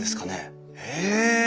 へえ。